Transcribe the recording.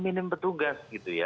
minim petugas gitu ya